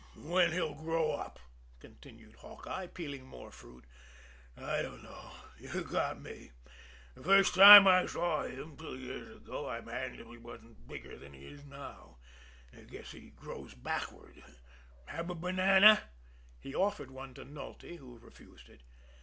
"When'll he grow up?" continued Hawkeye, peeling more fruit. "I don't know you've got me. The first time I saw him two years ago, I'm hanged if he wasn't bigger than he is now guess he grows backwards. Have a banana?" He offered one to Nulty, who refused it.